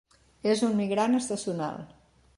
És un migrant estacional.